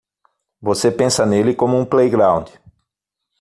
Você pensa nele como um playground.